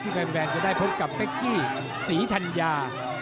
แฟนจะได้พบกับเป๊กกี้ศรีธัญญา